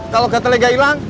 kalau gatelnya gak hilang